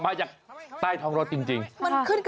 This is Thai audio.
มันขึ้นกระบะไปหรือคะคุณ